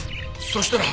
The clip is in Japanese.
そしたら。